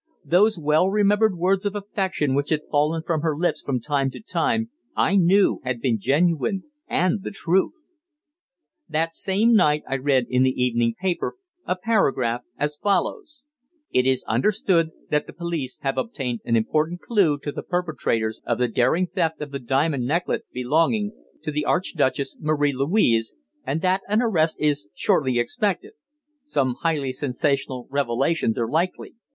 Those well remembered words of affection which had fallen from her lips from time to time I knew had been genuine and the truth. That same night I read in the evening paper a paragraph as follows "It is understood that the police have obtained an important clue to the perpetrators of the daring theft of the diamond necklet belonging to the Archduchess Marie Louise, and that an arrest is shortly expected. Some highly sensational revelations are likely."